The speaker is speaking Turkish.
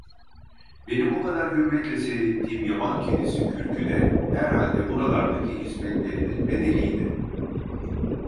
Benim o kadar hürmetle seyrettiğim yabankedisi kürkü de, herhalde buralardaki hizmetlerinin bedeliydi.